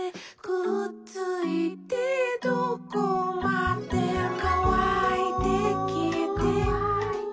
「くっついてどこまでも」「かわいてきえて」